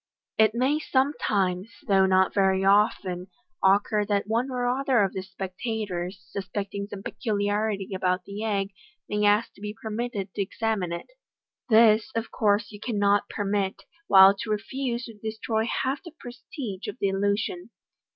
It may sometimes, though not very often, occur that one or other of the spectators, suspecting some peculiarity about the egg, may ask to be permitted to examine it. This, of course, you cannot permit, while to refuse would destroy half the prestige of the illusion.